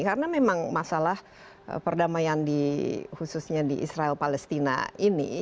karena memang masalah perdamaian di khususnya di israel palestina ini